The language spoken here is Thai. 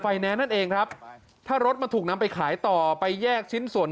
แนนซ์นั่นเองครับถ้ารถมันถูกนำไปขายต่อไปแยกชิ้นส่วน